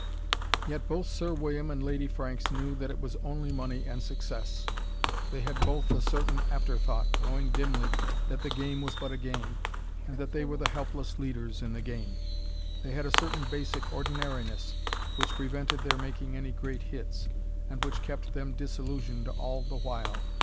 Yet both Sir William and Lady Franks knew that it was only money and success. They had both a certain afterthought, knowing dimly that the game was but a game, and that they were the helpless leaders in the game. They had a certain basic ordinariness which prevented their making any great hits, and which kept them disillusioned all the while.